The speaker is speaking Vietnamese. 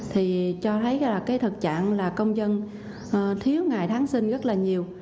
thì cho thấy là cái thực trạng là công dân thiếu ngày giáng sinh rất là nhiều